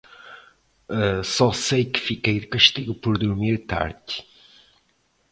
Só sei que fiquei de castigo por dormir tarde.